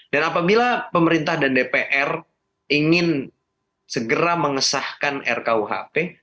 dan apabila pemerintah dan dpr ingin segera mengesahkan rkuhp